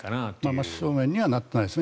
真正面にはなっていないですね。